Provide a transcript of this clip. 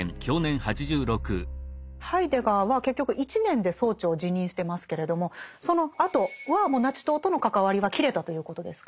ハイデガーは結局１年で総長を辞任してますけれどもそのあとはもうナチ党との関わりは切れたということですか？